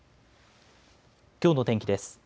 きょうの天気です。